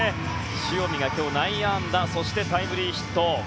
塩見が内野安打そしてタイムリーヒット。